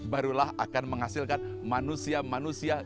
barulah akan menghasilkan manusia manusia